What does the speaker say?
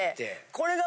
これが。